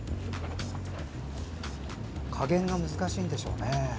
加減が難しいんでしょうね。